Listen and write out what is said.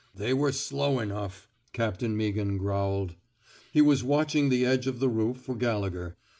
They were slow enough/' Cap tain Meaghan growled. He was watching the edge of the roof for Gallegher.